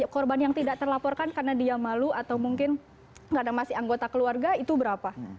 korban yang tidak terlaporkan karena dia malu atau mungkin karena masih anggota keluarga itu berapa